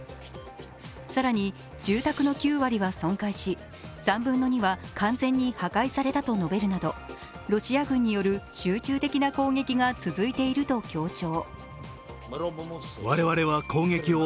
更に、住宅の９割は損壊し、３分の２は完全に破壊されたと述べるなどロシア軍による集中的な攻撃が続いていると強調。